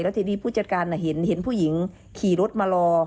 ทีนี้ผู้จัดการเห็นผู้หญิงขี่รถมารอ